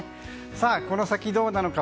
この先、どうなのか